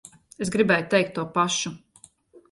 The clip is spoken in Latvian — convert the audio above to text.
Es gribēju teikt to pašu.